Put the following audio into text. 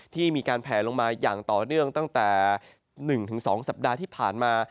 ที่มีการแผลลงมาอย่างต่อเนื่องตั้งแต่๑๒สัปดาห์ที่ผ่านมา